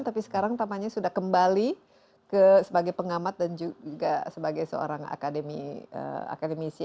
tapi sekarang tamanya sudah kembali sebagai pengamat dan juga sebagai seorang akademisi